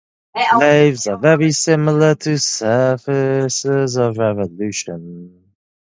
Lathes are very similar to surfaces of revolution.